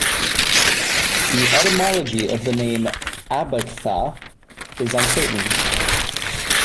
The etymology of the name "Abagtha" is uncertain.